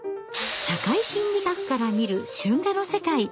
社会心理学から見る春画の世界。